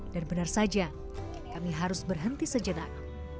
dan benar saja kami harus berhenti sejenak